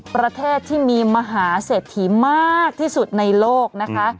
ประเทศที่มีมหาเศรษฐีมากที่สุดในโลกนะคะ